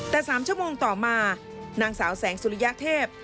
แต่๓ชั่วโมงต่อมานางสาวแสงสุริยเทพ